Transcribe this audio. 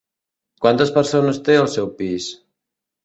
Quantes persones té el seu pis?